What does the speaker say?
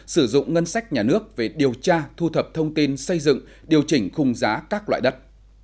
sử dụng ngân sách nhà nước về điều tra thu thập thông tin xây dựng điều chỉnh khung giá các loại đất